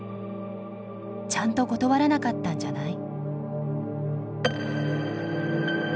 「ちゃんと断らなかったんじゃない？」。